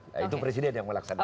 nah itu presiden yang melaksanakan